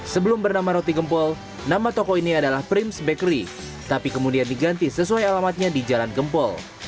sebelum bernama roti gempol nama toko ini adalah prims bakery tapi kemudian diganti sesuai alamatnya di jalan gempol